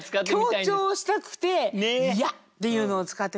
強調したくて「や」っていうのを使ってみたんで。